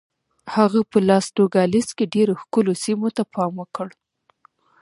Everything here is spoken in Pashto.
هغه په لاس نوګالس کې ډېرو ښکلو سیمو ته پام وکړ.